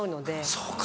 そうか。